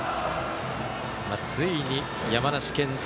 ついに山梨県勢